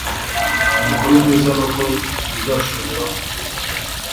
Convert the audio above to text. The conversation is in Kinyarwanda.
Amakuru meza nuko tuzashobora kugufasha